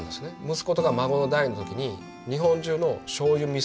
息子とか孫の代の時に日本中のしょうゆみそお酢みりん